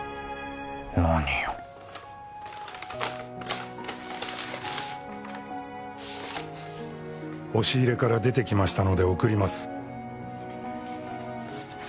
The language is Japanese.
何よ「押し入れから出てきましたので送ります」